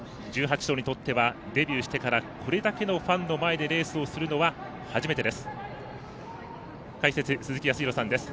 １８頭にとってはデビューしてからこれだけのファンの前でレースをするのは初めてです。